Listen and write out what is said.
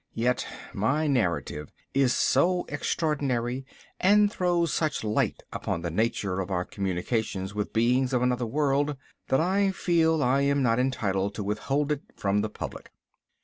Yet my narrative is so extraordinary and throws such light upon the nature of our communications with beings of another world, that I feel I am not entitled to withhold it from the public.